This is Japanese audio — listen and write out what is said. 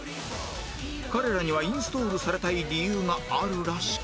彼らにはインストールされたい理由があるらしく